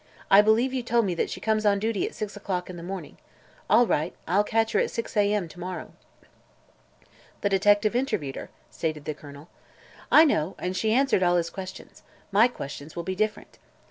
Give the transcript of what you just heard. I believe you told me she comes on duty at six o'clock in the morning. All right. I'll catch her at six a. m. to morrow." "The detective interviewed her," stated Colonel. "I know, and she answered all his questions. My questions will be different.